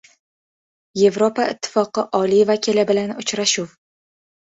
Yevropa Ittifoqi oliy vakili bilan uchrashuv